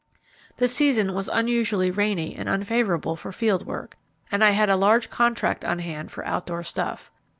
The season was unusually rainy and unfavourable for field work, and I had a large contract on hand for outdoor stuff.